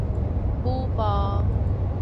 舞步